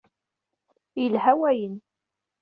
Yelḥa wayen.